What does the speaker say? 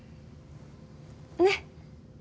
ねっ？